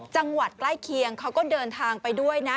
จังหวัดใกล้เคียงเขาก็เดินทางไปด้วยนะ